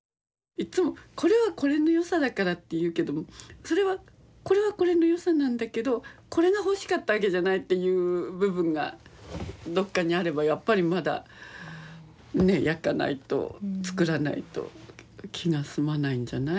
いっつもこれはこれの良さだからって言うけどもそれはこれはこれの良さなんだけどこれが欲しかったわけじゃないっていう部分がどっかにあればやっぱりまだねえ焼かないと作らないと気が済まないんじゃない？